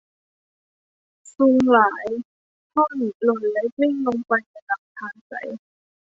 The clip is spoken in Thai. ซุงหลายท่อนหล่นและกลิ้งลงไปในลำธารใส